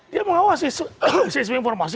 dia mengawasi sistem informasi